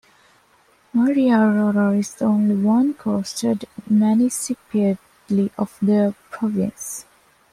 Maria Aurora is the only non-coastal municipality of the province.